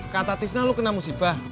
kata tisna lo kena musibah